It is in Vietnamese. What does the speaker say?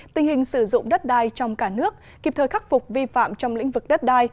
tình hình sử dụng đất đai trong cả nước kịp thời khắc phục vi phạm trong lĩnh vực đất đai